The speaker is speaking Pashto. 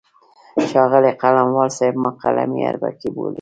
ښاغلی قلموال صاحب ما قلمي اربکی بولي.